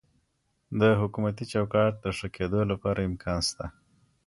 د حکومتي چوکاټ د ښه کیدو لپاره امکان سته.